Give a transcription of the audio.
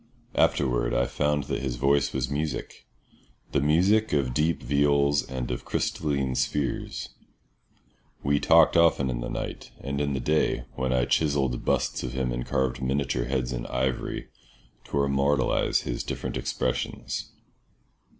Afterward I found that his voice was music—the music of deep viols and of crystalline spheres. We talked often in the night, and in the day, when I chiselled busts of him and carved miniature heads in ivory to immortalise his different expressions.